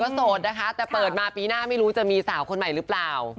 โสดนะคะแต่เปิดมาปีหน้าไม่รู้จะมีสาวคนใหม่หรือเปล่า